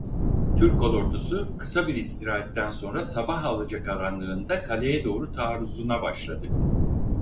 Türk kolordusu kısa bir istirahatten sonra sabah alacakaranlığında kaleye doğru taarruzuna başladı.